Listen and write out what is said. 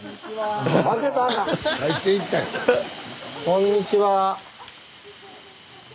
こんにちは。